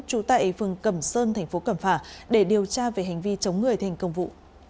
trú tại phường cẩm sơn thành phố cẩm phả để điều tra về hành vi chống người thành công vụ